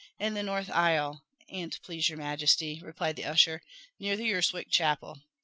"In the north aisle, an't please your majesty," replied the usher, "near the Urswick Chapel.